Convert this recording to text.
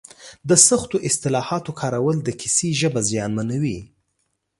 د سختو اصطلاحاتو کارول د کیسې ژبه زیانمنوي.